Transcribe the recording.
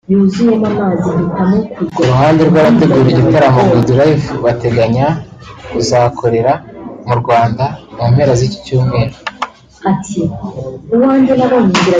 Ku ruhande rw’abategura igitaramo Good Life bateganya kuzakorera mu Rwanda mu mpera z’iki cyumweru